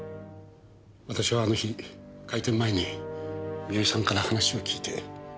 私はあの日開店前に三好さんから話を聞いて。